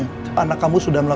nanti dekapin sama pria mukamya